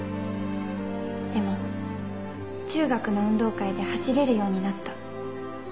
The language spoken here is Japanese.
でも中学の運動会で走れるようになった。